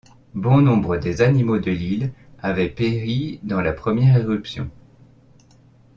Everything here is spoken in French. Bon nombre des animaux de l’île avaient péri pendant la première éruption